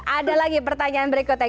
ada lagi pertanyaan berikutnya